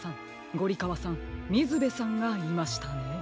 ゴリかわさんみずべさんがいましたね。